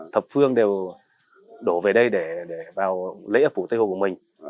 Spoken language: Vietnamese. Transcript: thập phương đều đổ về đây để vào lễ ở phủ tây hồ của mình